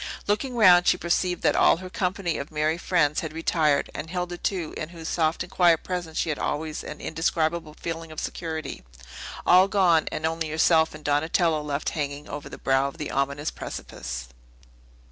Looking round, she perceived that all her company of merry friends had retired, and Hilda, too, in whose soft and quiet presence she had always an indescribable feeling of security. All gone; and only herself and Donatello left hanging over the brow of the ominous precipice.